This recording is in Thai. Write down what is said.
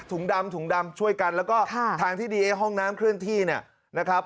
ดำถุงดำช่วยกันแล้วก็ทางที่ดีไอ้ห้องน้ำเคลื่อนที่เนี่ยนะครับ